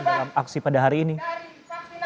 dari vaksinasi covid sembilan belas yang sudah berlutut